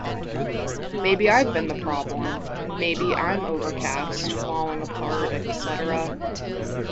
'Maybe I've been the problem,' maybe I'm overcast, falling apart, etc...